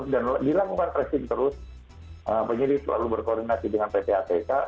dan dilakukan kresin terus penyidik selalu berkoordinasi dengan pt atk